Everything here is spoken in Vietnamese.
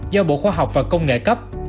do bộ khoa học và công nghệ cấp